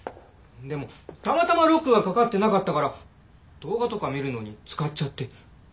でもたまたまロックがかかってなかったから動画とか見るのに使っちゃって。